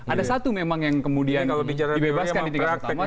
ada satu memang yang kemudian dibebaskan di tiga pertama